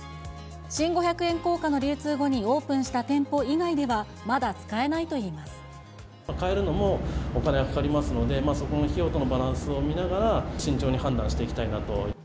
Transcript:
新五百円硬貨の流通後にオープンした店舗以外では、まだ使えない替えるのもお金がかかりますので、そこの費用とのバランスを見ながら、慎重に判断していきたいなと。